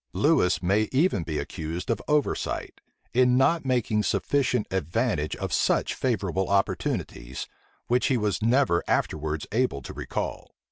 Lewis may even be accused of oversight, in not making sufficient advantage of such favorable opportunities, which he was never afterwards able to recall.